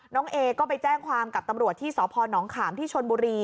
เอก็ไปแจ้งความกับตำรวจที่สพนขามที่ชนบุรี